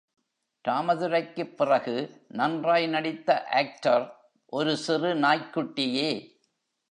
ராமதுரைக்குப் பிறகு நன்றாய் நடித்த ஆக்டர், ஒரு சிறு நாய்க்குட்டியே!